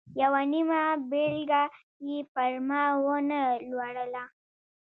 یوه نیمه بېلګه یې پر ما و نه لوروله.